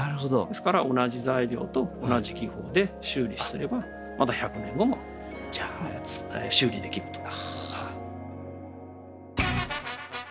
ですから同じ材料と同じ技法で修理すればまた１００年後も修理できると。